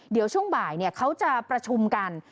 เดี๋ยวช่วงบ่ายเขาจะประชุมกัน